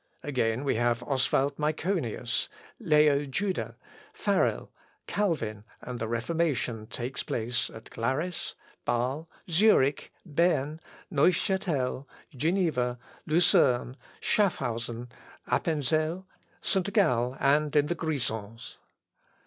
Again, we have Oswald Myconius, Leo Juda, Farel, and Calvin, and the Reformation takes place at Glaris, Bâle, Zurich, Berne, Neufchatel, Geneva, Lucerne, Schafausen, Appenzel, St. Gall, and in the Grisons.